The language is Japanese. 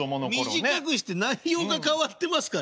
短くして内容が変わってますから。